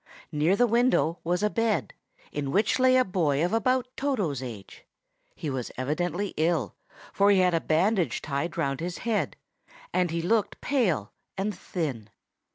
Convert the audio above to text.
Near the window was a bed, in which lay a boy of about Toto's age. He was evidently ill, for he had a bandage tied round his head, and he looked pale and thin.